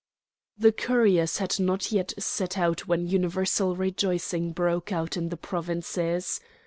The couriers had not yet set out when universal rejoicing broke out in the provinces.